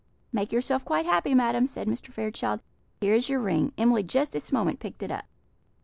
"Make yourself quite happy, madam," said Mr. Fairchild, "here is your ring; Emily just this moment picked it up."